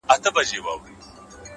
ه ياره کندهار نه پرېږدم؛